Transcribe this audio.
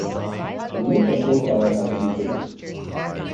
A new control tower has been built.